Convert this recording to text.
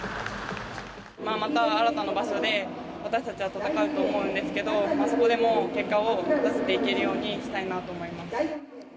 また新たな場所で、私たちは戦うと思うんですけど、そこでも結果を出していけるようにしたいなと思います。